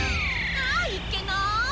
あっいっけない。